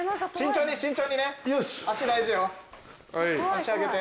足上げて。